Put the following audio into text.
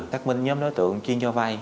xác minh nhóm đối tượng chuyên cho vay